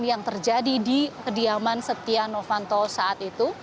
yang terjadi di kediaman setia novanto saat itu